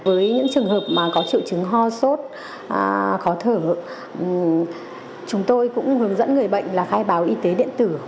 với những trường hợp mà có triệu chứng ho sốt khó thở chúng tôi cũng hướng dẫn người bệnh là khai báo y tế điện tử